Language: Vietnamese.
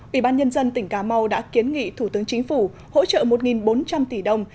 ủy ban nhân dân tỉnh cà mau đã kiến nghị thủ tướng chính phủ hỗ trợ một bốn trăm linh tỷ đồng